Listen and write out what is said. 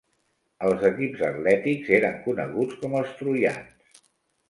Els equips atlètics eren coneguts com els troians.